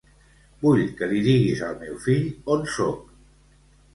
Vull que li diguis al meu fill on soc.